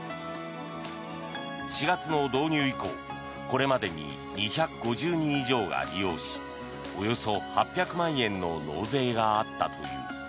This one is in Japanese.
４月の導入以降これまでに２５０人以上が利用しおよそ８００万円の納税があったという。